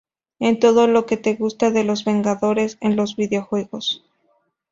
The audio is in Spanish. Es todo lo que te gusta de los Vengadores en los videojuegos.